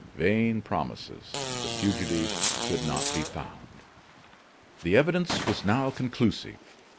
Vain promises! The fugitive could not be found. The evidence was now conclusive.